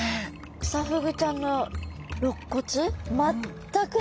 クサフグちゃんのろっ骨全くないですね。